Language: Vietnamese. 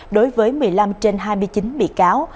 đối với một mươi năm trên hai mươi chín bị cáo